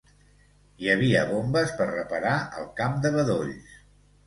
Hi havia bombes per reparar al camp de bedolls.